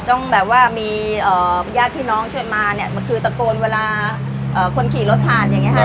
ต้องแบบว่ามีญาติพี่น้องเชิญมาเนี่ยคือตะโกนเวลาคนขี่รถผ่านอย่างนี้ค่ะ